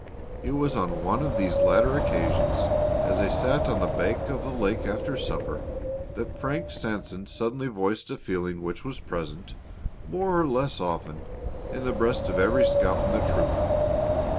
It was on one of these latter occasions, as they sat out on the bank of the lake after supper, that Frank Sanson suddenly voiced a feeling which was present, more or less often, in the breast of every scout in the troop.